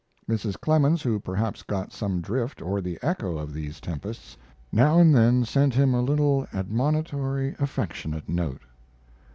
Mrs. Clemens, who perhaps got some drift or the echo of these tempests, now and then sent him a little admonitory, affectionate note.